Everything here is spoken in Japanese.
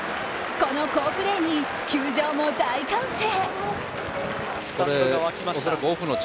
この好プレーに球場も大歓声。